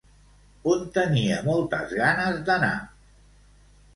On tenia moltes ganes d'anar?